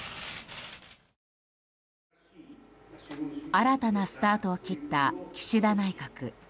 新たなスタートを切った岸田内閣。